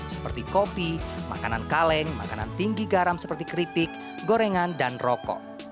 seperti kopi makanan kaleng makanan tinggi garam seperti keripik gorengan dan rokok